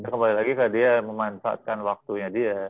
kembali lagi ke dia memanfaatkan waktunya dia